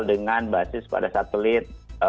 dengan basis pada satelit